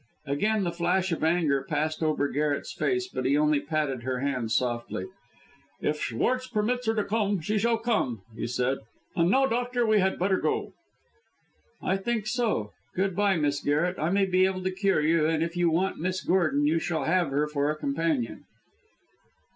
Again the flash of anger passed over Garret's face, but he only patted her hand softly. "If Schwartz permits her to come, she shall come," he said; "and now, doctor, we had better go." "I think so. Good bye, Miss Garret. I may be able to cure you, and if you want Miss Gordon, you shall have her for a companion."